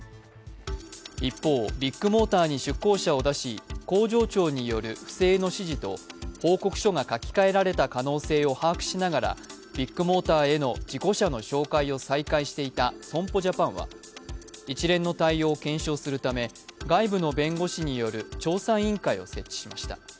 一方、ビッグモーターに出向者を出し工場長による不正の指示と報告書が書き換えられた可能性を把握しながらビッグモーターへの事故車の紹介を再開していた損保ジャパンは、一連の対応を検証するため外部の弁護士による調査委員会を設置しました。